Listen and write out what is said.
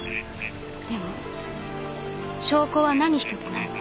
でも証拠は何一つないわ。